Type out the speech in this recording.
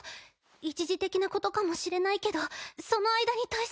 一時的なことかもしれないけどその間に対策も。